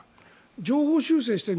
上方修正している。